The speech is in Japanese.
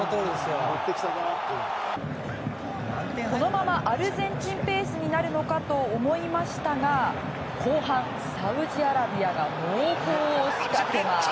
このままアルゼンチンペースになるのかと思いましたが後半、サウジアラビアが猛攻を仕掛けます。